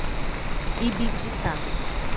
Ibititá